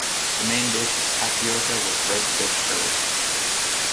The main dish is tapioca with red fish curry.